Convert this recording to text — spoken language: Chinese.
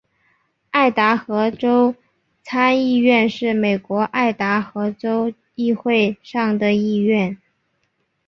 爱达荷州参议院是美国爱达荷州议会的上议院。